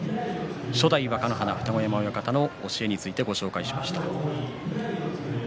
初代若乃花の二子山親方の教えについてお伝えしました。